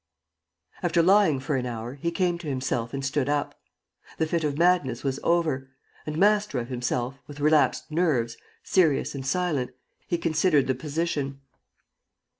After lying for an hour, he came to himself and stood up. The fit of madness was over; and, master of himself, with relaxed nerves, serious and silent, he considered the position.